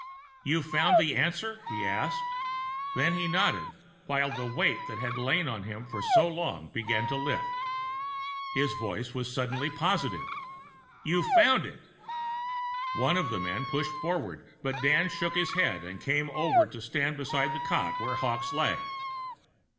"You've found the answer?" he asked. Then he nodded, while the weight that had lain on him so long began to lift. His voice was suddenly positive. "You found it!" One of the men pushed forward, but Dan shook his head, and came over to stand beside the cot where Hawkes lay.